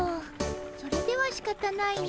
それではしかたないの。